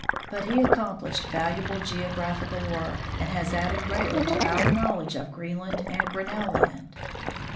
But he accomplished valuable geographical work, and has added greatly to our knowledge of Greenland and Grinnell land.